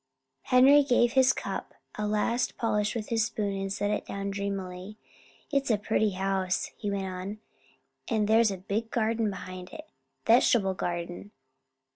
Henry gave his cup a last polish with his spoon and set it down dreamily. "It's a pretty house," he went on, "and there's a big garden behind it vegetable garden.